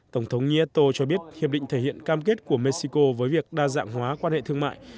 tổng thống niatto cho biết hiệp định thể hiện cam kết của mexico với việc đa dạng hóa quan hệ thương mại